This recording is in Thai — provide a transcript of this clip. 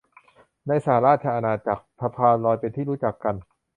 ในสหราชอาณาจักรมีสะพานลอยที่เป็นที่รู้จักกัน